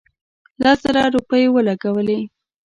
لس زره روپۍ ولګولې.